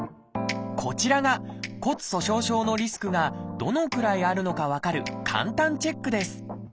こちらが骨粗しょう症のリスクがどのくらいあるのか分かる簡単チェックです。